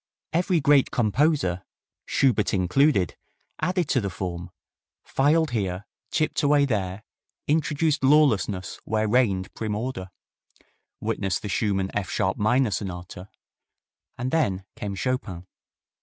Every great composer, Schubert included, added to the form, filed here, chipped away there, introduced lawlessness where reigned prim order witness the Schumann F sharp minor Sonata and then came Chopin.